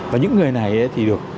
và những người này thì được